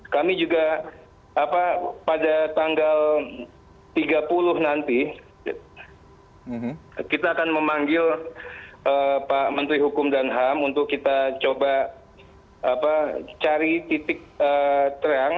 kami juga pada tanggal tiga puluh nanti kita akan memanggil pak menteri hukum dan ham untuk kita coba cari titik terang